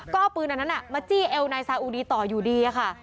ก็เอาปืนอันนั้นมาจี้เอวนายซาอุดีต่ออยู่ดีค่ะ